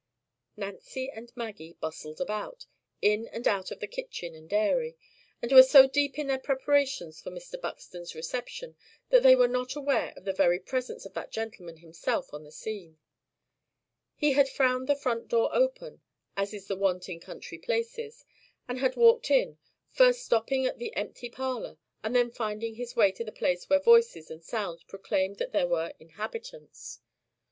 Nancy and Maggie bustled about, in and out of the kitchen and dairy; and were so deep in their preparations for Mr. Buxton's reception that they were not aware of the very presence of that gentleman himself on the scene. He had found the front door open, as is the wont in country places, and had walked in; first stopping at the empty parlor, and then finding his way to the place where voices and sounds proclaimed that there were inhabitants.